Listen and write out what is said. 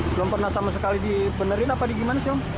belum pernah sama sekali dibenerin apa gimana siang